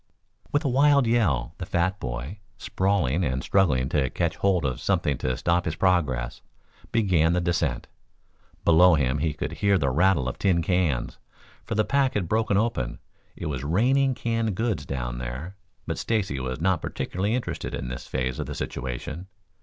With a wild yell, the fat boy, sprawling and struggling to catch hold of something to stop his progress, began the descent. Below him he could hear the rattle of tin cans, for the pack had broken open. It was raining canned goods down there, but Stacy was not particularly interested in this phase of the situation.